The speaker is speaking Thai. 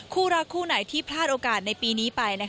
คู่รักคู่ไหนที่พลาดโอกาสในปีนี้ไป